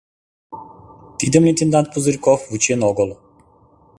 Тидым лейтенант Пузырьков вучен огыл.